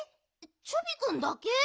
チョビくんだけ？